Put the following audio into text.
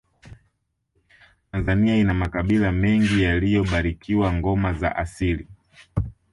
tanzania ina makabila mengi yaliyobarikiwa ngoma za asili